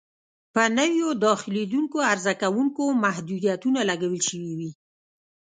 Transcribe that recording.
په نویو داخلېدونکو عرضه کوونکو محدودیتونه لګول شوي وي.